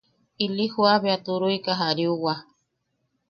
Ili jua bea turuika jariwa.